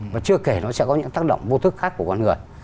và chưa kể nó sẽ có những tác động vô thức khác của con người